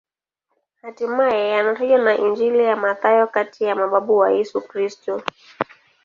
Hatimaye anatajwa na Injili ya Mathayo kati ya mababu wa Yesu Kristo.